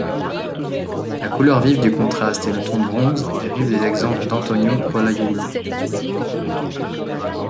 La couleur vive du contraste et le ton bronze dérivent des exemples d'Antonio Pollaiuolo.